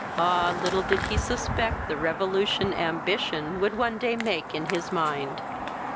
Ah! little did he suspect the revolution ambition would one day make in his mind.